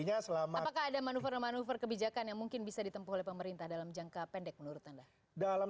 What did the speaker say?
apakah ada manuver manuver kebijakan yang mungkin bisa ditempuh oleh pemerintah dalam jangka pendek menurut anda